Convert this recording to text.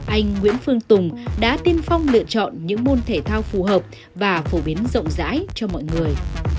anh nguyễn phương tùng đã tiên phong lựa chọn những môn thể thao phù hợp và phổ biến rộng rãi cho mọi người